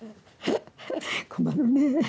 困るね。